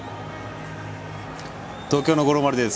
東京の五郎丸です。